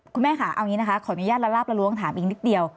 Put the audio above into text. คุณแม่ค่ะเอาอย่างนี้นะคะขออนุญาตละลาบละล้วงถามอีกนิดเดียว